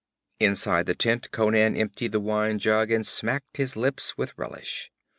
Inside the tent Conan emptied the wine jug and smacked his lips with relish.